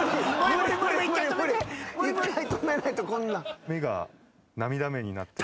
一回止めないとこんなん。